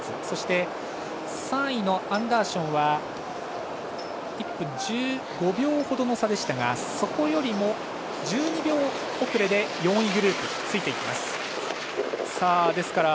そして３位のアンダーションは１分１５秒ほどの差でしたがそこよりも１２秒遅れで４位グループがついています。